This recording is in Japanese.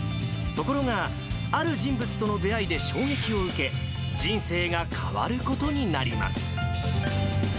ところが、ある人物との出会いで衝撃を受け、人生が変わることになります。